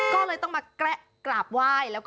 ก็เลยต้องมากราบไหว้